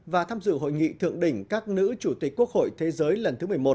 và tham dự hội nghị thượng đỉnh các nữ chủ tịch quốc hội thế giới lần thứ một mươi một